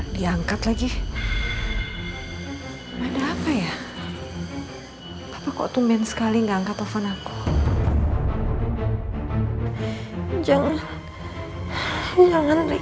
sampai jumpa di video selanjutnya